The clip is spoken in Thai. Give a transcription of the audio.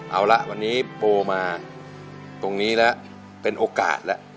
เอาละวันนี้โปรมาตรงนี้แล้วเป็นโอกาสแล้ว